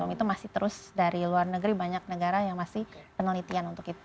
itu masih terus dari luar negeri banyak negara yang masih penelitian untuk itu